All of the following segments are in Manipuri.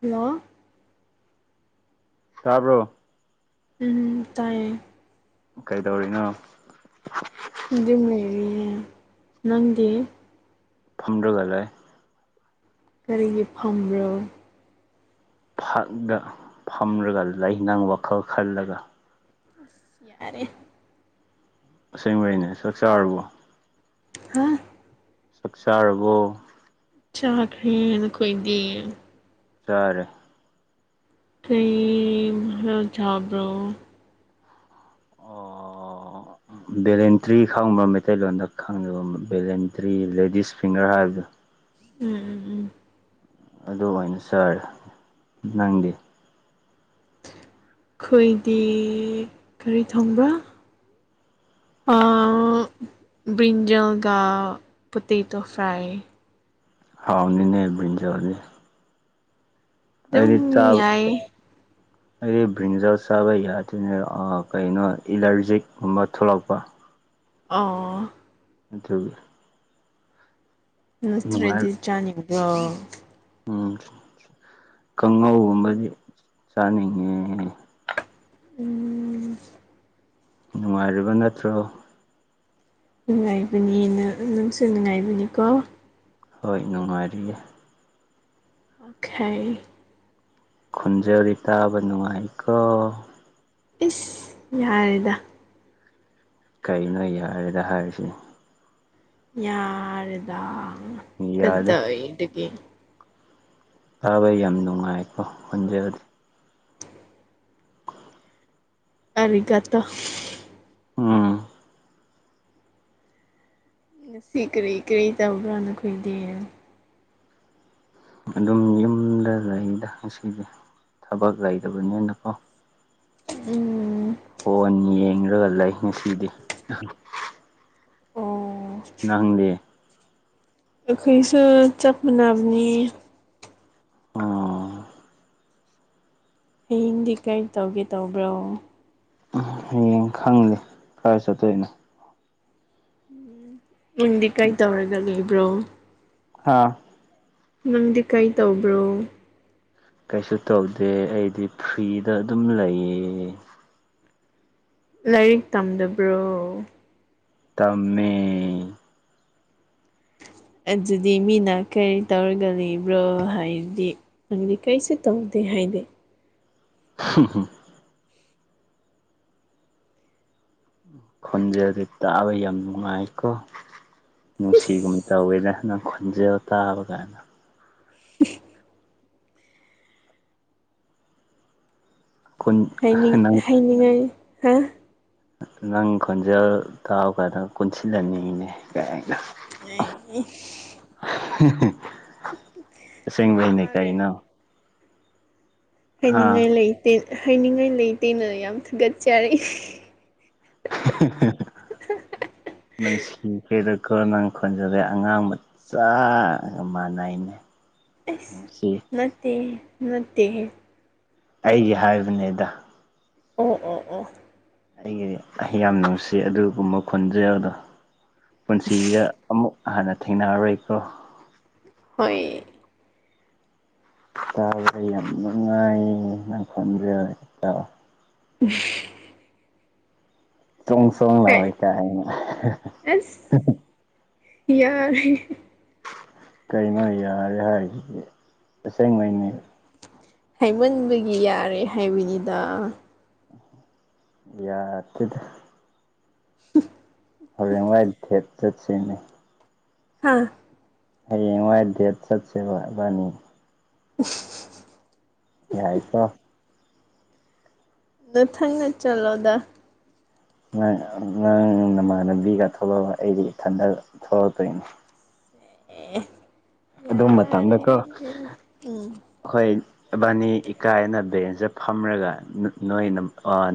ꯍꯜꯂꯣ ꯇꯥꯕ꯭ꯔꯣ ꯎꯝ ꯇꯥꯏꯌꯦ ꯀꯩꯗꯧꯔꯤꯅꯣ ꯑꯗꯨꯝ ꯂꯩꯔꯤ ꯅꯪꯗꯤ ꯐꯝꯗꯨꯒ ꯂꯩ ꯀꯔꯤꯒꯤ ꯐꯝꯕ꯭ꯔꯣ ꯐꯛꯗ ꯐꯝꯂꯒ ꯂꯩꯥꯏꯅꯥꯪ ꯋꯥꯈꯜ ꯈꯜꯂꯒ ꯑꯁ ꯌꯥꯔꯦ ꯑꯁꯦꯡꯕꯩꯅꯦ ꯆꯥꯛꯆꯥꯥꯔꯕꯨ ꯍꯥꯥ ꯆꯥꯛ ꯆꯥꯔꯕꯣ ꯆꯥ ꯈꯅ ꯈꯣꯏꯗꯤ ꯁꯥꯔꯦ ꯀꯔꯤꯝ ꯆꯥꯕ꯭ꯔꯣ ꯑꯣ ꯕꯦꯂꯦꯟꯇ꯭ꯔꯤ ꯈꯪꯕ ꯃꯩꯇꯩꯂꯣꯟꯗ ꯈꯪꯉꯕ ꯕꯦꯂꯦꯟꯇ꯭ꯔꯤ ꯂꯦꯗꯤꯁ ꯐꯤꯡꯒꯔ ꯍꯥꯏꯕꯗꯨꯣ ꯎꯝ ꯎꯝ ꯎꯝ ꯑꯗꯨꯃ ꯑꯣꯏꯅ ꯁꯥꯔ ꯅꯪꯗꯤ ꯑꯩꯈꯣꯏꯗꯤ ꯒꯥꯔꯤ ꯊꯣꯡꯕ꯭ꯔꯥ ꯑꯥ ꯭ꯕꯔꯤꯟꯖꯜꯒ ꯄꯣꯇꯦꯇꯣ ꯐ꯭ꯔꯥꯏ ꯍꯥꯎꯕꯅꯤꯅꯦ ꯕ꯭ꯔꯤꯟꯖꯜꯗꯤ ꯑꯗꯨꯝ ꯑꯩꯗꯤ ꯆꯥꯕ ꯌꯥꯏ ꯑꯩꯗꯤ ꯕ꯭ꯔꯤꯟꯖꯜ ꯆꯥꯕ ꯌꯥꯗꯦꯅꯦ ꯀꯩꯅꯣ ꯑꯦꯂꯔꯖꯤꯀꯨꯝꯕ ꯊꯣꯛꯂꯛꯄ ꯑ ꯑꯗꯨꯒꯤ ꯅꯨꯡꯉꯥꯏ ꯅꯠꯇꯔꯗꯤ ꯆꯥꯅꯤ ꯎꯝ ꯀꯥꯡꯉꯧꯒꯨꯝꯕꯗꯤ ꯆꯥꯅꯤꯡꯉꯦ ꯎꯝ ꯅꯨꯡꯉꯥꯏꯔꯤꯕ ꯅꯠꯇ꯭ꯔꯣ ꯅꯨꯡꯉꯥꯏꯕꯅꯤ ꯅꯪꯁꯨ ꯅꯨꯡꯉꯥꯏꯕꯅꯤꯀꯣ ꯍꯣꯏ ꯅꯨꯡꯉꯥꯏꯔꯤꯌꯦ ꯑꯣꯈꯦ ꯈꯣꯟꯖꯦꯜꯗꯤ ꯇꯥꯥꯕ ꯅꯨꯡꯉꯥꯏꯀꯣ ꯏꯁ ꯌꯥꯔꯦꯗ ꯀꯩꯅꯣ ꯌꯥꯔꯦꯗ ꯍꯥꯏꯁꯤꯕꯣ ꯌꯥꯔꯦꯗꯥ ꯌꯥꯗꯦ ꯀꯗꯥꯏꯗꯒꯤ ꯇꯥꯕꯩ ꯌꯥꯝ ꯅꯨꯡꯉꯥꯏꯀꯣ ꯈꯣꯟꯖꯦꯜꯗꯤ ꯑꯔꯤꯒꯇꯣ ꯎꯝ ꯉꯁꯤ ꯀꯔꯤ ꯀꯔꯤ ꯇꯧꯕ꯭ꯔꯥ ꯅꯈꯣꯏꯗꯤ ꯑꯗꯨꯝ ꯌꯨꯝꯗ ꯂꯩꯗ ꯉꯁꯤꯗꯤ ꯊꯕꯛ ꯂꯩꯇꯕꯅꯤꯅꯀꯣ ꯎꯝ ꯕꯣꯟ ꯌꯦꯡꯂꯒ ꯂꯩ ꯉꯁꯤꯗꯤ ꯑꯣ ꯅꯪꯗꯤ ꯑꯩꯈꯩꯁꯨ ꯆꯞ ꯃꯥꯅꯕꯅꯤ ꯑꯣ ꯍꯌꯦꯡꯗꯤ ꯀꯔꯤ ꯇꯧꯒꯦ ꯇꯧꯕ꯭ꯔꯣ ꯍꯌꯦꯡ ꯈꯪ ꯀꯗꯥꯏ ꯆꯠꯇꯣꯏꯅꯣ ꯎꯟ ꯅꯪꯗꯤ ꯀꯩ ꯇꯧꯔꯒ ꯂꯩꯕ꯭ꯔꯣ ꯑꯥ ꯅꯪꯗꯤ ꯀꯩ ꯇꯧꯕ꯭ꯔꯣ ꯀꯩꯁꯨ ꯇꯧꯗꯦ ꯑꯩꯗꯤ ꯐ꯭ꯔꯤꯗ ꯑꯗꯨꯝ ꯂꯩꯌꯦ ꯂꯥꯏꯔꯤꯛ ꯇꯝꯗꯕ꯭ꯔꯣ ꯇꯝꯃꯦ ꯑꯗꯨꯗꯤ ꯃꯤꯅ ꯀꯔꯤ ꯇꯧꯔꯒ ꯂꯩꯕ꯭ꯔꯣ ꯍꯥꯏꯔꯗꯤ ꯑꯗꯨꯗꯤ ꯀꯩꯁꯨ ꯇꯧꯗꯦ ꯍꯥꯏꯗꯤ ꯎ ꯈꯣꯟꯖꯦꯜꯗꯤ ꯇꯥꯕ ꯌꯥꯝ ꯅꯨꯡꯉꯥꯏꯀꯣ ꯏꯁ ꯅꯨꯡꯁꯤꯒꯨꯝ ꯇꯧꯋꯦꯗ ꯅꯡ ꯈꯣꯟꯖꯦꯜ ꯇꯥꯕꯒ [inaudible] ꯈꯨꯟ ꯍꯥꯏꯅꯤꯡ ꯅꯪ ꯍꯥꯏꯅꯤꯡꯉꯥꯏ ꯍꯥ ꯅꯪ ꯈꯣꯟꯖꯦꯜ ꯇꯥꯕ ꯀꯥꯟꯗ ꯀꯣꯟꯁꯤꯜꯂꯟꯅꯤꯅꯦ ꯀ ꯑ ꯑꯁꯦꯡꯕꯩꯅꯦ ꯌꯥꯔꯦ ꯀꯩꯅꯣ ꯍꯥ ꯍꯥꯏꯅꯤꯡꯉꯥꯏ ꯂꯩꯇꯦ ꯍꯥꯏꯅꯤꯡꯉꯥꯏ ꯂꯩꯇꯦꯅ ꯌꯥꯝ ꯊꯥꯒꯠꯆꯔꯤ ꯃꯁꯤ ꯀꯩꯗ ꯀꯣꯔꯣꯅꯥꯅ ꯈꯣꯟꯖꯕꯩ ꯑꯉꯥꯡ ꯃꯆꯥꯒ ꯃꯥꯟꯅꯩꯅꯦ ꯑꯁ ꯅꯨꯡꯁꯤ ꯅꯠꯇꯦ ꯅꯠꯇꯦꯍꯦ ꯑꯩꯒꯤ ꯍꯥꯏꯕꯅꯤꯗ ꯑꯣ ꯑꯣ ꯑꯣ ꯑꯩꯒꯤꯗꯤ ꯌꯥꯝ ꯅꯨꯡꯁꯤ ꯑꯗꯨꯒꯨꯝꯕ ꯈꯣꯟꯖꯩ ꯑꯗꯣ ꯄꯨꯟꯁꯤꯁꯤꯗ ꯑꯃꯨꯛ ꯍꯥꯟꯅ ꯊꯦꯡꯅꯔꯔꯣꯏꯀꯣ ꯍꯣꯏ ꯇꯥꯎꯔꯦ ꯌꯥꯝ ꯅꯨꯡꯉꯥꯏꯌꯦ ꯅꯪ ꯈꯟꯖꯦ ꯇ ꯎ ꯆꯣꯡ ꯆꯣꯡ ꯂꯑꯣ ꯍ ꯑꯁ ꯌꯥꯔꯦ ꯀꯩꯅꯣ ꯌꯥꯔꯦ ꯍꯥꯏꯔꯤꯁꯤꯗꯤ ꯑꯁꯦꯡꯉꯩꯅꯤ ꯍꯥꯏꯃꯟꯕꯒꯤ ꯌꯥꯔꯦ ꯍꯥꯏꯕꯅꯤꯗ ꯌꯥꯗꯦꯗ ꯍꯣꯔꯦꯟ ꯋꯥꯏ ꯊꯦꯠ ꯆꯠꯁꯤꯅꯦ ꯍꯥꯥ ꯍꯌꯦꯡꯋꯥꯏ ꯗꯦꯠ ꯆꯠꯁꯦꯕ ꯏꯕꯅꯤ [unintelligible] ꯌꯥꯏꯀꯣ ꯅꯊꯪꯅ ꯆꯠꯂꯣꯗ ꯅꯥꯡ ꯅꯃꯥꯟꯅꯕꯤꯒ ꯊꯣꯛꯂꯛꯑꯣ ꯑꯩꯗꯤ ꯏꯊꯟꯗ ꯊꯣꯛꯂꯛꯇꯣꯏꯅꯦ ꯑꯦ ꯑꯗꯨ ꯃꯇꯝꯗꯀꯣ ꯌꯥꯔꯦ ꯎꯝ ꯍꯣꯏ ꯏꯕꯥꯅꯤ ꯏꯀꯥꯏꯅ ꯕꯦꯟꯁꯇ ꯐꯝꯔꯒ ꯅꯣꯏ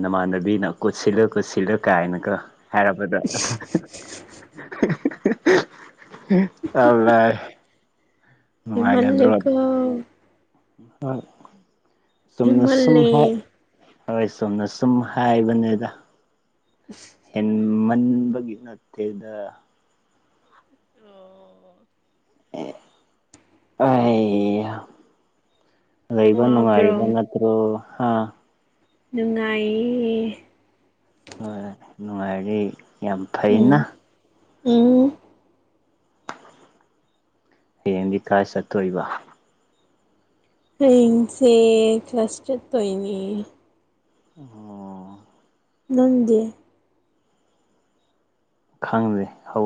ꯅꯃꯥꯟꯅꯕꯤꯅ ꯀꯨꯠꯁꯤꯜꯂꯒ ꯄꯨꯠꯁꯤꯂꯣ ꯀꯥꯏꯅꯀꯣ ꯍꯥꯏꯔꯕꯗꯣ ꯆ ꯂ ꯍꯤꯃꯥꯂꯣꯏꯀꯣ ꯆꯨꯝꯅꯁꯨꯝ ꯍꯥꯏ ꯍꯦꯟꯃꯜꯂꯦ ꯍꯣꯏ ꯁꯣꯝꯅ ꯁꯨꯝ ꯍꯥꯏꯕꯅꯦꯗ ꯍꯦꯟꯃꯟꯕꯒꯤ ꯅꯠꯇꯦꯗ ꯑꯦ ꯑꯩ ꯑꯗ ꯏꯕ ꯋꯥꯕ꯭ꯔꯣ ꯃꯥꯕꯟꯠꯇꯣ ꯍꯥ ꯅꯨꯡꯉꯥꯏꯌꯦ ꯍꯣꯏꯣꯏ ꯅꯨꯡꯉꯥꯏꯔꯤ ꯌꯥꯝ ꯐꯩꯅ ꯎꯝ ꯎꯝ ꯍꯌꯦꯡꯗꯤ ꯀꯥꯏ ꯆꯠꯇꯣꯕ ꯑꯩꯁꯦ ꯀ꯭ꯂꯥꯁꯇꯔ ꯇꯣꯏꯉ ꯑꯣ ꯅꯪꯒꯤꯦ ꯈꯪꯗ꯭ꯦ ꯍꯧ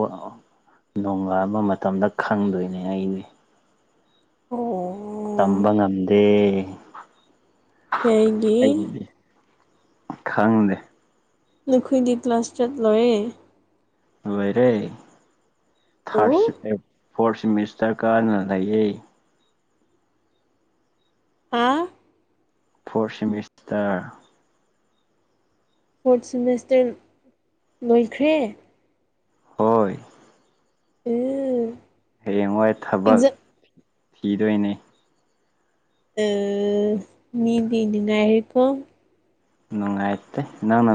ꯅꯣꯡꯉꯂꯕ ꯃꯇꯝꯗ ꯈꯪꯗꯣꯏꯅꯦ ꯑꯩꯁ ꯑꯣ ꯇꯝꯕ ꯉꯝꯗꯦ ꯄꯒꯤ ꯑꯩꯒꯤꯗꯤ ꯈꯪꯗꯦ ꯅꯈꯣꯏꯗꯤ ꯀ꯭ꯂꯥꯁ ꯆꯠꯂꯣꯏꯔꯦ ꯑꯣꯏꯣꯏꯔꯦ ꯑꯣ ꯊꯥꯔꯁꯤ ꯐꯣꯔꯠ ꯁꯤꯦꯃꯤꯁꯇꯔ ꯀꯥꯅ ꯂꯩꯌꯦ ꯍꯥꯥ ꯐꯣꯔ ꯁꯤꯃꯤꯁꯇꯔ ꯐꯣꯔꯠ ꯁꯤꯦꯃꯦꯁꯇꯔ ꯂꯣꯏꯈ꯭ꯔꯦ ꯍꯣꯏ ꯎꯝ ꯍꯌꯦꯡ ꯍꯣꯏ ꯊꯕꯛ ꯑꯦꯛꯖꯥꯝ ꯊꯤꯗꯣꯏꯅꯤ ꯑ ꯃꯤꯗꯤ ꯉꯥꯏꯥꯏꯀꯣ ꯅꯨꯡꯉꯥꯏꯇꯦ ꯅꯪꯅ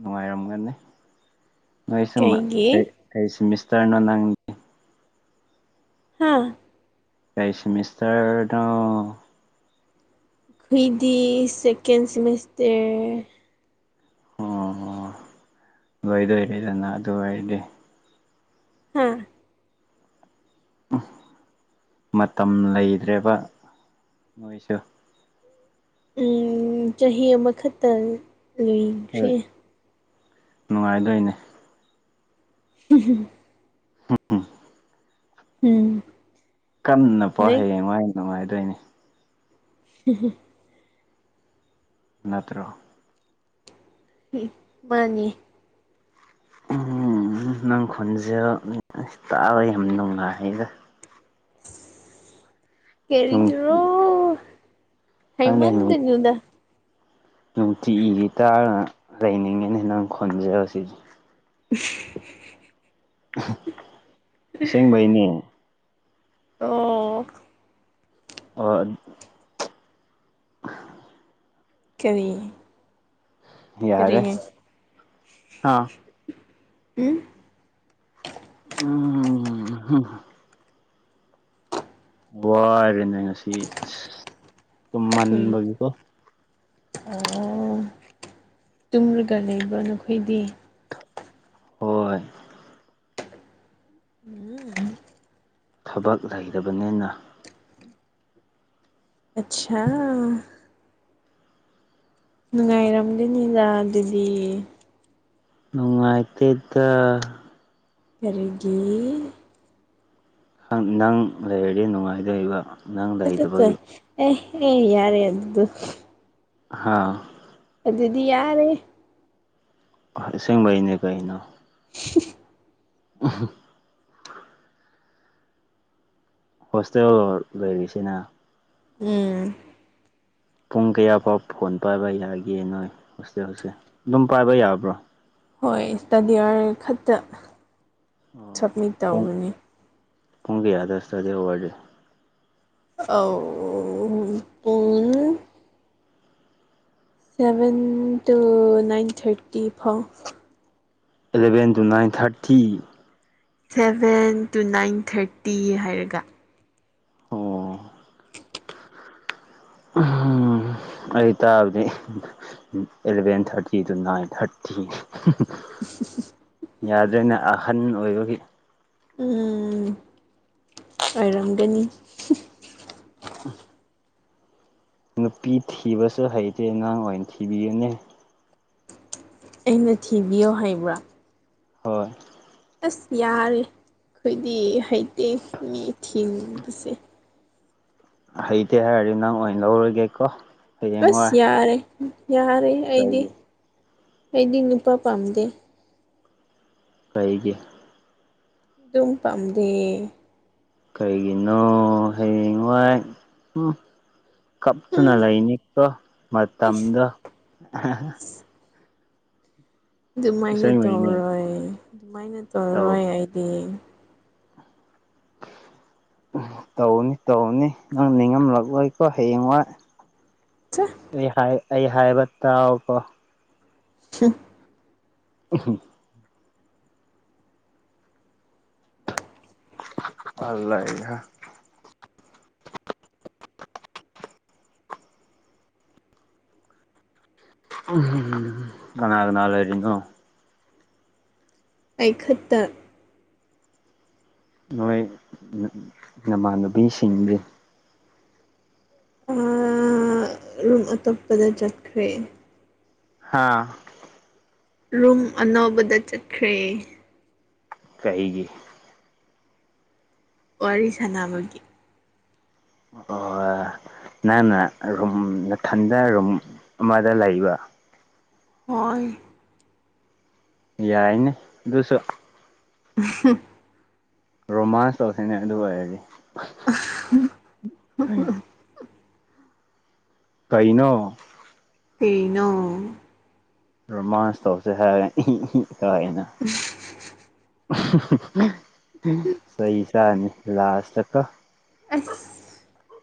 ꯅꯨꯡꯉꯥꯏꯔꯝꯒꯅꯤ ꯅꯣꯏꯁ ꯀꯩꯒꯤ ꯀ ꯀꯩꯁꯤꯦ ꯃꯤꯁꯇꯔꯅꯣ ꯅꯪꯒꯤ ꯍꯥꯥ ꯀꯩ ꯁꯦꯃꯤꯁꯇꯔꯗ ꯈꯣꯏꯗꯤ ꯁꯀꯦꯟ ꯁꯤꯃꯁꯇꯔ ꯑꯣ ꯂꯣꯏꯗꯣꯏꯔꯗꯅ ꯑꯗꯨ ꯑꯣꯏꯔꯗꯤꯦ ꯍꯥꯥ ꯃꯇꯝ ꯂꯩꯇ꯭ꯔꯦꯕ ꯃꯣꯏꯁꯨ ꯎ ꯆꯍꯤ ꯑꯃꯈꯛꯇ ꯂꯣꯏꯈ꯭ꯔꯦ ꯍꯣꯏ ꯅꯨꯡꯉꯥꯏꯗꯣꯏꯅꯦ [inaudible] ꯍ ꯎꯝ ꯀꯟꯅ ꯄꯣ ꯅꯦꯛ ꯍꯌꯦꯡ ꯅꯨꯡꯉꯥꯏꯗꯣꯏꯅꯦ ꯍ ꯅꯠꯇ꯭ꯔꯣ ꯃꯥꯅꯤ ꯎ ꯅꯪ ꯈꯨꯜꯁꯦ ꯇꯥꯔ ꯌꯥꯝ ꯅꯨꯡꯉꯥꯏꯒ ꯀꯦꯔꯤꯒꯤꯔꯣ ꯍꯩꯃꯟꯅꯗ ꯅꯨꯡꯇꯤ ꯏꯈꯤ ꯇꯥꯔꯅ ꯂꯩꯅꯤꯡꯉꯦꯅ ꯍꯦꯟꯅꯪ ꯈꯣꯟꯖꯔ ꯁꯤꯗꯤ [inaudible] ꯁꯁꯦꯡꯕꯩꯅꯦ ꯑꯣ ꯑꯣ ꯀꯔꯤ ꯌꯥꯔꯦ ꯀꯔꯤ ꯍꯥꯥ ꯎꯝ ꯎꯝ ꯋꯥꯔꯦꯅꯦ ꯉꯁꯤ ꯑꯁ ꯇꯨꯝꯃꯟꯕꯒꯤꯀꯣ ꯇꯨꯝꯂꯒ ꯂꯩꯕ꯭ꯔ ꯅꯈꯣꯏꯗꯤ ꯍꯣꯏ ꯎꯝ ꯊꯕꯛ ꯂꯩꯕꯅꯤꯅ ꯑꯆꯥ ꯅꯨꯡꯉꯥꯏꯔꯝꯗꯦꯅꯤꯗ ꯑꯗꯨꯗꯤ ꯅꯨꯡꯉꯥꯏꯇꯦꯗ ꯀꯔꯤꯒꯤ ꯅꯪ ꯂꯩꯔꯗꯤ ꯅꯨꯡꯉꯥꯏꯗꯕ ꯑꯠꯇ ꯑꯦ ꯌꯥꯔꯦ ꯑꯗꯨꯗꯨ ꯍꯥꯥꯎ ꯗꯤ ꯌꯥꯔꯦ ꯍꯁꯤꯡꯚꯏꯅꯦ ꯀꯥꯏꯅ [inaudible] ꯑ ꯍꯣꯁꯇꯦꯜ ꯂꯩꯔꯤꯁꯤꯅ ꯎꯝ ꯄꯨꯡ ꯀꯌꯥ ꯐꯥꯎ ꯐꯣꯟ ꯄꯥꯏꯕ ꯌꯥꯒꯦ ꯅꯣꯏ ꯍꯣꯖꯤꯇꯦꯜ ꯍꯣꯁꯦꯜ ꯑꯗꯨꯝ ꯄꯥꯏꯕ ꯌꯥꯕ꯭ꯔꯣ ꯍꯣꯏ ꯏꯁꯇꯥꯗꯤꯌꯥꯔ ꯈꯛꯇ ꯁꯞꯃꯤꯠ ꯇꯧꯒꯅꯤ ꯄꯨꯡꯒꯤꯌꯥꯗꯁꯇꯗ ꯑꯋꯥꯔꯗꯦ ꯑ ꯇꯨꯡ ꯁꯚꯦꯟ ꯇꯨ ꯅꯥꯏꯟ ꯊꯥꯔꯇꯤ ꯐꯥꯎ eleven two nine thirty seven two nine thirty ꯍꯥꯏꯔꯒ ꯑꯣ ꯎꯝ ꯑꯩ ꯇꯥꯕꯗꯤ eleven thirty two nine thirty [inaudible] ꯌꯥꯗ꯭ꯔꯦꯅ ꯑꯍꯟ ꯑꯣꯏꯕꯒꯤ ꯎꯝ ꯑꯩꯔꯝꯒꯅꯤ ꯑ ꯅꯨꯄꯤ ꯊꯤꯕꯁꯨ ꯍꯩꯇꯦ ꯑꯉꯥꯡ ꯑꯣꯏꯅ ꯊꯤꯕꯤꯒꯨꯅꯦ ꯑꯩꯅ ꯊꯤꯕꯤꯌꯣ ꯍꯥꯏꯕ꯭ꯔꯥ ꯍꯣꯏ ꯑꯁ ꯌꯥꯔꯦ ꯑꯩꯈꯣꯏꯗꯤ ꯍꯩꯇꯦ ꯃꯤ ꯊꯤꯟꯕꯁꯦ ꯍꯩꯇꯦ ꯍꯥꯏꯔꯗꯤ ꯅꯪ ꯑꯣꯏꯅ ꯂꯧꯔꯒꯦꯀꯣ ꯑꯁ ꯍꯌꯦꯡꯋꯥꯏ ꯌꯥꯔꯦ ꯌꯥꯔꯦ ꯑꯩꯗꯤ ꯀꯩꯒꯤ ꯑꯩꯗꯤ ꯅꯨꯄꯥ ꯄꯥꯝꯗꯦ ꯀꯩꯒꯤ ꯑꯗꯨꯝ ꯄꯥꯝꯗ ꯀꯔꯤꯒꯤꯅꯣ ꯍꯌꯦꯡꯋꯥꯏ ꯎ ꯀꯞꯇꯨꯅ ꯍꯝ ꯂꯩꯅꯤꯀꯣ ꯏꯁ ꯃꯇꯝꯗꯣ ꯏꯁ ꯑꯗꯨꯃꯥꯏꯅ ꯑꯁꯦꯡꯕꯩꯅꯦ ꯇꯧꯔꯣꯏ ꯑꯗꯨꯃꯥꯏꯅ ꯇꯧ ꯇꯧꯔꯣꯏ ꯍꯥꯏꯗꯤ [inaudible] ꯇꯧꯅꯤ ꯇꯧꯅꯤ ꯅꯪ ꯅꯤꯡꯉꯝꯂꯛꯂꯣꯏꯀꯣ ꯍꯌꯦꯡꯋꯥꯏ ꯆꯥ ꯑꯩ ꯑꯩ ꯍꯥꯏꯕ ꯇꯥꯎꯀꯣ ꯎꯆ ꯎ ꯑꯜꯏꯍ ꯀꯅꯥ ꯀꯅꯥ ꯂꯩꯔꯤꯅꯣ ꯑꯩꯈꯠꯇ ꯅꯣꯏ ꯅꯃꯥꯟꯅꯕꯤꯁꯤꯡꯗꯤ ꯔꯨꯝ ꯑꯇꯣꯞꯄꯗ ꯆꯠꯈ꯭ꯔꯦ ꯍꯥꯥ ꯔꯨꯝ ꯑꯅꯧꯕꯗ ꯆꯠꯈ꯭ꯔꯦ ꯑꯩꯒꯤ ꯋꯥꯔꯤ ꯁꯥꯟꯅꯕꯒꯤ ꯑꯣ ꯅꯪꯅ ꯔꯨꯝ ꯃꯊꯟꯗ ꯔꯨꯝ ꯑꯃꯗ ꯂꯩꯕ ꯍꯣꯏ ꯌꯥꯏꯅꯦ ꯑꯗꯨꯁꯨ [inaudible] ꯔꯣꯃꯥꯟꯁ ꯇꯧꯁꯤꯅꯦ ꯑꯗꯨ ꯑꯣꯏꯔꯗꯤ [inaudible] ꯀꯥꯏꯩꯅꯣ ꯏꯅꯣ ꯔꯣꯃꯥꯟꯁ ꯇꯧꯁꯦ ꯍꯥꯏꯔꯦ ꯀꯥꯏꯥꯏꯅ ꯁꯩ ꯆꯥꯅꯤ ꯂꯥꯁ ꯇꯀ ꯑꯁ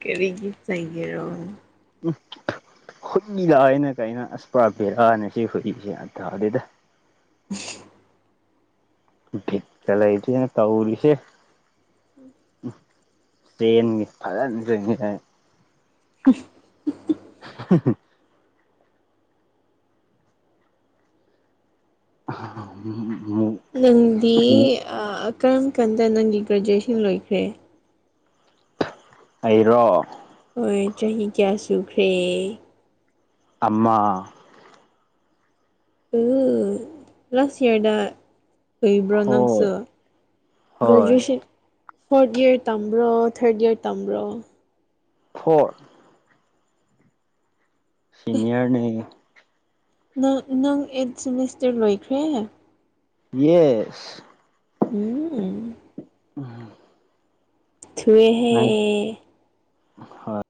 ꯀꯔꯤꯒꯤ ꯆꯪꯔꯣ ꯎꯝ ꯍꯨꯏꯗ ꯑꯩꯅ ꯀꯩꯅ ꯑꯁꯄ꯭ꯔꯥ ꯄꯤꯔꯛꯅ ꯁꯤ ꯍꯨꯏꯁꯤ ꯑꯊꯥꯗꯦꯗ [unintelligible] ꯕꯤꯀ ꯂꯩꯇꯅ ꯇꯧꯔꯤꯁꯦ ꯎꯝ ꯇꯦꯟ ꯐꯒ [unintelligible] [unintelligible] ꯑ ꯎꯝ ꯅꯪꯗꯤ ꯀꯔꯝ ꯀꯥꯟꯗ ꯅꯪꯒꯤ ꯒ꯭ꯔꯦꯖꯨꯋꯦꯁꯟ ꯂꯣꯏꯈ꯭ꯔꯦ ꯑꯩꯔꯣ ꯍꯣꯏ ꯆꯍꯤ ꯀꯌꯥ ꯁꯨꯈ꯭ꯔꯦ ꯑꯃ ꯎ ꯔꯁꯤ ꯌꯥꯔꯗ ꯍꯣꯏ ꯍꯩꯕ꯭ꯔꯣꯅꯥꯁ ꯍꯣꯏ ꯒ꯭ꯔꯦꯖꯨꯋꯌꯦꯁꯟ ꯐꯣꯔꯠ ꯏꯌꯔ ꯇꯝꯕ꯭ꯔꯣ ꯊꯥꯔꯠ ꯏꯌꯥꯔ ꯇꯝꯕ꯭ꯔꯣ ꯐꯣꯔ ꯁꯤꯅꯤꯌꯥꯔꯅ ꯅꯪ ꯑꯩꯠ ꯁꯦꯃꯤꯁꯇꯔ ꯂꯣꯏꯈ꯭ꯔꯦ ꯌꯦꯁ ꯎꯝ ꯎꯝ ꯊꯋꯦꯍꯦ ꯍꯣꯏ